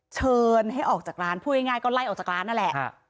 เชิญให้ออกจากร้านพูดง่ายก็ไล่ออกจากร้านนั่นแหละ